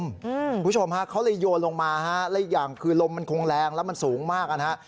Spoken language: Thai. คุณผู้ชมฮะเขาเลยโยนลงมาฮะและอีกอย่างคือลมมันคงแรงแล้วมันสูงมากนะฮะ